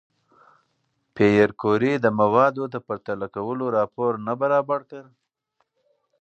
پېیر کوري د موادو د پرتله کولو راپور نه برابر کړ؟